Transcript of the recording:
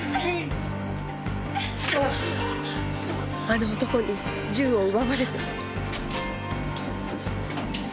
あの男に銃を奪われて。